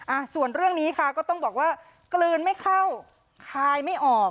อ่าส่วนเรื่องนี้ค่ะก็ต้องบอกว่ากลืนไม่เข้าคายไม่ออก